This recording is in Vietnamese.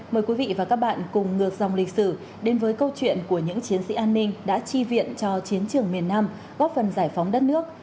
mời quý vị và các bạn cùng ngược dòng lịch sử đến với câu chuyện của những chiến sĩ an ninh đã chi viện cho chiến trường miền nam góp phần giải phóng đất nước